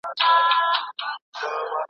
که حوصله ولرې نو پرمختګ کوې.